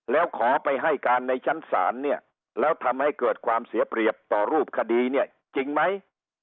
แล้วขอไปให้การในชั้นศาลเนี่ยแล้วทำให้เกิดความเสียเปรียบต่อรูปคดีเนี่ยจริงไหม